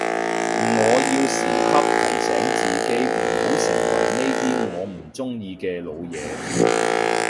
我要時刻提醒自己唔好成為呢啲我唔中意嘅老嘢